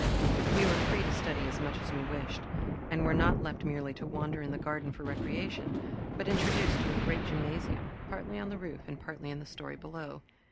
We were free to study as much as we wished, and were not left merely to wander in the garden for recreation but introduced to a great gymnasium, partly on the roof and partly in the story below.